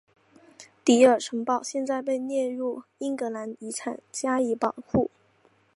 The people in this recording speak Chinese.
迪尔城堡现在被列入英格兰遗产加以保护。